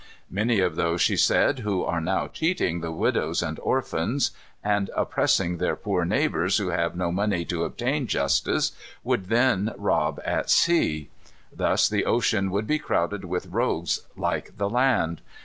Many of those, she said, who are now cheating the widows and orphans, and oppressing their poor neighbors who have no money to obtain justice, would then rob at sea. Thus the ocean would be crowded with rogues like the land.